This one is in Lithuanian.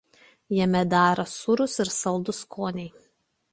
Jame dera sūrus ir saldus skoniai.